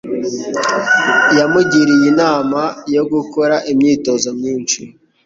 Yamugiriye inama yo gukora imyitozo myinshi